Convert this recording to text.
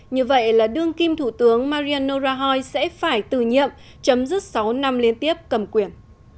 như vậy là đương kim thủ tướng marien norahi sẽ phải từ nhiệm chấm dứt sáu năm liên tiếp cầm quyền